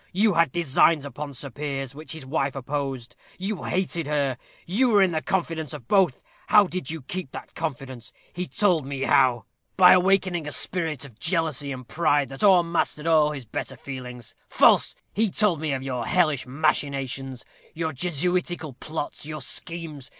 You had designs upon Sir Piers, which his wife opposed; you hated her; you were in the confidence of both how did you keep that confidence? He told me how, by awakening a spirit of jealousy and pride, that o'ermastered all his better feelings. False! He told me of your hellish machinations; your Jesuitical plots; your schemes.